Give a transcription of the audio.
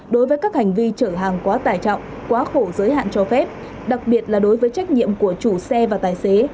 đối với các hành vi chở hàng quá tài trọng quá khổ giới hạn cho phép đặc biệt là đối với trách nhiệm của chủ xe và tài xế